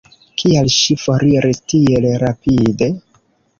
Kial ŝi foriris tiel rapide?